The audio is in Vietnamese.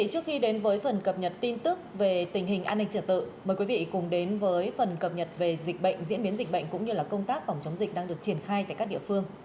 hãy đăng ký kênh để ủng hộ kênh của chúng mình nhé